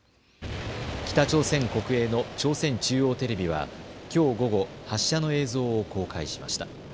北朝鮮国営の朝鮮中央テレビはきょう午後、発射の映像を公開しました。